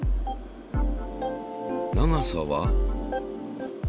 長さは？